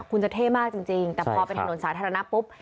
คุณจะเท่มากจริงแต่พอเป็นถนนสาธารณะปุ๊บ